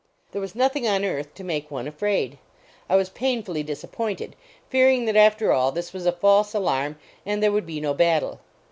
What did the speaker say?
There was nothing on earth to make one afraid. I was painfully disappointed, fearing that after all this was a false alarm and there would be no battle.